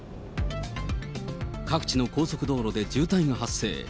各地の高速道路で渋滞が発生。